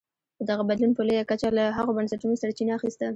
دغه بدلون په لویه کچه له هغو بنسټونو سرچینه اخیسته.